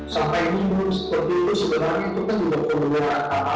sampai ini pun seperti itu sebenarnya itu kan sudah berulang